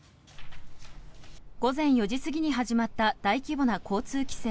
午前４時過ぎに始まった大規模な交通規制。